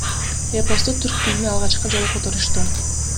Эпосту түрк тилине алгачкы жолу которушту.